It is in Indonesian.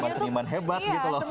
seniman hebat gitu loh